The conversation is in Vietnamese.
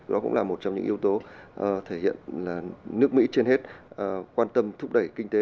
đó cũng là một trong những yếu tố thể hiện là nước mỹ trên hết quan tâm thúc đẩy kinh tế